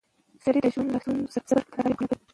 سړی د ژوند له ستونزو سره د صبر له لارې مقابله کوي